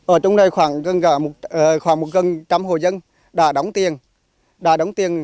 ở trong đây khoảng một trăm linh hồ dân đã đóng tiền